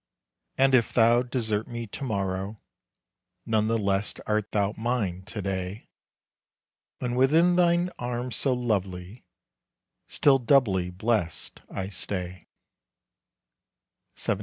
And if thou desert me to morrow, None the less art thou mine to day. And within thine arms so lovely, Still doubly blest I stay. LXXVI.